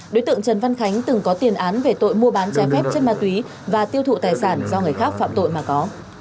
đối tượng trần văn khánh từng có tiền án về tội mua bán trái phép chất ma túy và tiêu thụ tài sản do người khác phạm tội mà có